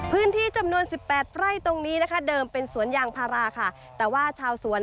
พื้นที่จำนวน๑๘ไร่ตรงนี้นะคะเดิมเป็นสวนยางพาราค่ะ